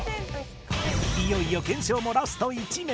いよいよ検証もラスト１名